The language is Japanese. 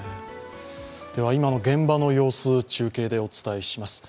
今の現場の様子、中継でお伝えします。